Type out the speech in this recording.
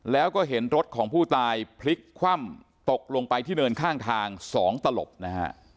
แล้วก็เห็นรถของผู้ตายพลิกคว่ำตกลงไปที่เนินข้างทาง๒ตลบนะฮะ